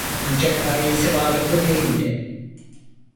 Ancak ailesi varlıklı değildi.